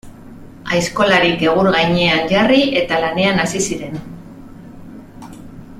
Aizkolariak egur gainean jarri, eta lanean hasi ziren.